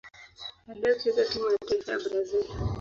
Aliwahi kucheza timu ya taifa ya Brazil.